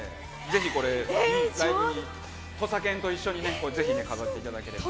ぜひこれ、ライブに、土佐犬と一緒にね、ぜひね、飾っていただければ。